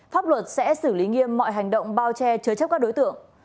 pháp luật sẽ xử lý nghiêm mọi hành động bao che chứa chấp các đối tượng